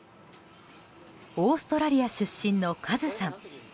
オーストラリア出身のカズさん。